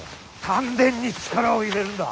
丹田に力を入れるんだ。